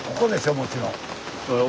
もちろん。